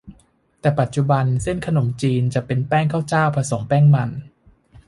แต่ปัจจุบัน เส้นขนมจีนจะเป็นแป้งข้าวเจ้า ผสมแป้งมัน